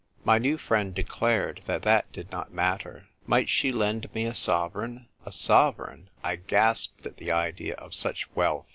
My new friend declared that that did not matter. Might she lend me a sove reign ? A sovereign ! I gasped at the idea of such wealth.